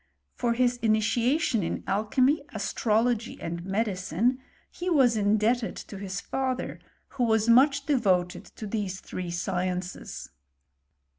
For his initia tion in alchymy, astrology, and medicine, he was in debted to his father, who was much devoted to these three sciences.